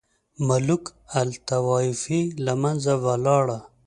ملوک الطوایفي له منځه ولاړه.